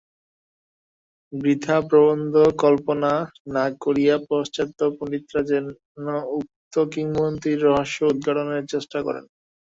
বৃথা প্রবন্ধ-কল্পনা না করিয়া পাশ্চাত্য পণ্ডিতেরা যেন উক্ত কিংবদন্তীর রহস্য-উদ্ঘাটনের চেষ্টা করেন।